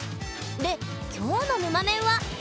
で今日のぬまメンは？